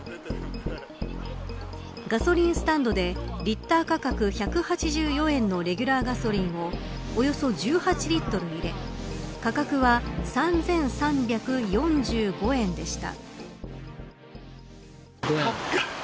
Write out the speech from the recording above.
ガソリンスタンドでリッター価格１８４円のレギュラーガソリンをおよそ１８リットル入れ価格は３３４５円でした。